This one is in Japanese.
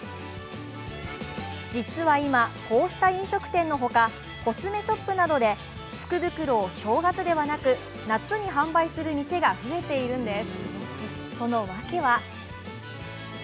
実は今、こうした飲食店の他コスメショップなどで福袋を正月ではなく夏に販売する店が増えているんです。